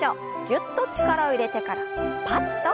ぎゅっと力を入れてからパッと。